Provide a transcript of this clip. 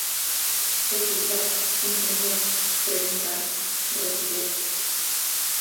Escoitar, comprender, preguntar, recoller.